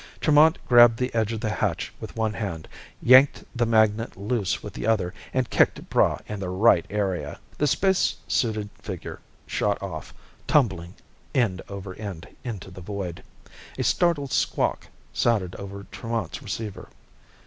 Tremont grabbed the edge of the hatch with one hand, yanked the magnet loose with the other, and kicked Braigh in the right area. The spacesuited figure shot off, tumbling end over end, into the void. A startled squawk sounded over Tremont's receiver.